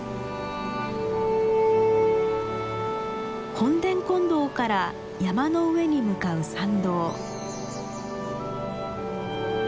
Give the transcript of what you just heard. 本殿金堂から山の上に向かう参道。